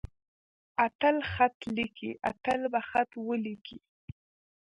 اتل خط ليکي. اتل به خط وليکي.